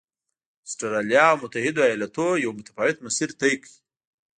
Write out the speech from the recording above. اسټرالیا او متحدو ایالتونو یو متفاوت مسیر طی کړ.